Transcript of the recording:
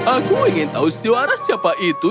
aku ingin tahu suara siapa itu